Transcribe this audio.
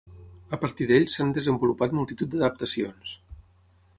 A partir d'ell s'han desenvolupat multitud d'adaptacions.